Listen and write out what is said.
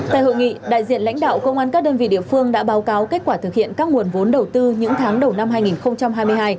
tại hội nghị đại diện lãnh đạo công an các đơn vị địa phương đã báo cáo kết quả thực hiện các nguồn vốn đầu tư những tháng đầu năm hai nghìn hai mươi hai